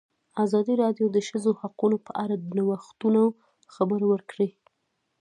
ازادي راډیو د د ښځو حقونه په اړه د نوښتونو خبر ورکړی.